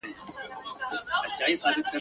چي نه رقیب نه محتسب وي نه قاضي د محل ..